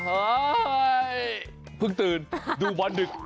เฮ้ยเพิ่งตื่นดูบอลดึก